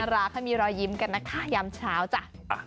รักให้มีรอยยิ้มกันนะคะยามเช้าจ้ะ